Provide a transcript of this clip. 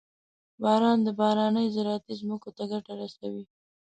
• باران د بارانۍ زراعتي ځمکو ته ګټه رسوي.